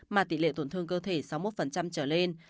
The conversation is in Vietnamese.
mà tỷ lệ tổn thương cơ thể sáu mươi một trở lên